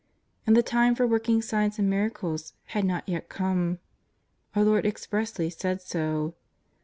And the time for working signs and miracles had not yet come. Our Lord expressly said so.